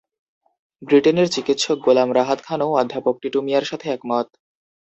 ব্রিটেনের চিকিৎসক গোলাম রাহাত খানও অধ্যাপক টিটু মিয়ার সাথে একমত।